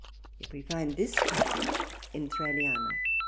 Yet we find this passage in Thraliana.